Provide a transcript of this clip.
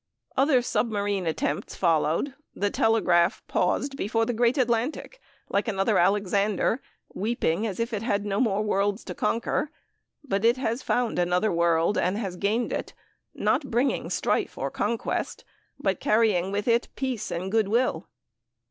Other submarine attempts followed: the telegraph paused before the great Atlantic, like another Alexander, weeping as if it had no more worlds to conquer; but it has found another world, and it has gained it not bringing strife or conquest, but carrying with it peace and good will.